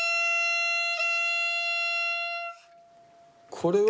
これはね